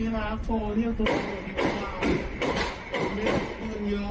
เร็วเร็ว